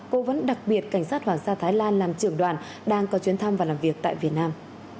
cố vấn đặc biệt cảnh sát hoàng gia thái lan làm trưởng đoàn đang có chuyến thăm và làm việc tại việt nam